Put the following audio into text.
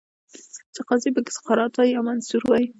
چې قاضي پکې سقراط وای، یا منصور وای